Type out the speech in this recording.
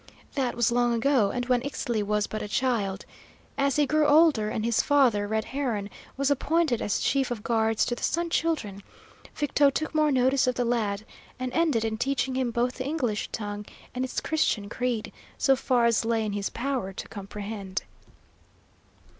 That was long ago, and when Ixtli was but a child. As he grew older, and his father, Red Heron, was appointed as chief of guards to the Sun Children, Victo took more notice of the lad, and ended in teaching him both the English tongue and its Christian creed, so far as lay in his power to comprehend.